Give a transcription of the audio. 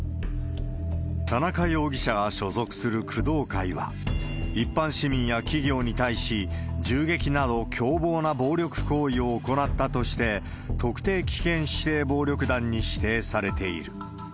田中容疑者が所属する工藤会は、一般市民や企業に対し、銃撃など凶暴な暴力行為を行ったとして、特定危険指定暴力団に指定されている。